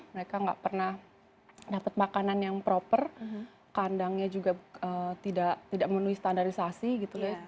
mereka nggak pernah dapat makanan yang proper kandangnya juga tidak menuhi standarisasi gitu loh